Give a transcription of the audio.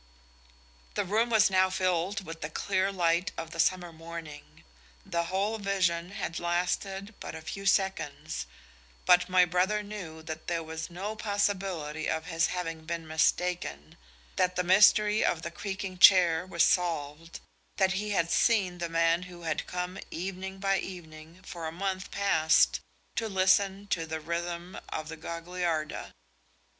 The room was now filled with the clear light of the summer morning: the whole vision had lasted but a few seconds, but my brother knew that there was no possibility of his having been mistaken, that the mystery of the creaking chair was solved, that he had seen the man who had come evening by evening for a month past to listen to the rhythm of the Gagliarda.